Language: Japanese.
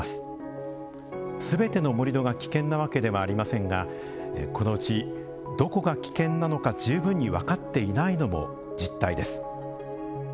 すべての盛土が危険なわけではありませんがこのうちどこが危険なのか十分に分かっていないのも実態です。